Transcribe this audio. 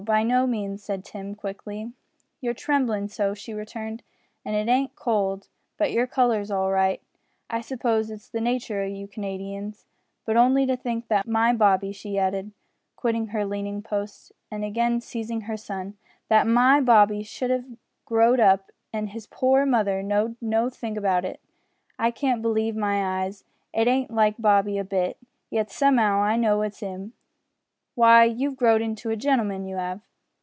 By no means," said Tim, quickly. "You're tremblin' so," she returned, "an' it ain't cold but your colour's all right. I suppose it's the natur' o' you Canadians. But only to think that my Bobby," she added, quitting her leaning post, and again seizing her son, "that my Bobby should 'ave grow'd up, an' his poor mother knowed nothink about it! I can't believe my eyes it ain't like Bobby a bit, yet some'ow I know it's 'im! Why, you've grow'd into a gentleman, you 'ave."